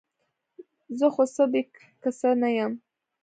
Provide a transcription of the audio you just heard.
زه خو څه بې کسه نه یم ؟